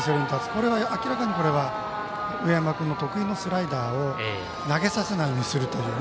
これは明らかに上山君の得意のスライダーを投げさせないようにすると。